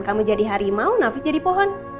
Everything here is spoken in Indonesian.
kamu jadi harimau nafis jadi pohon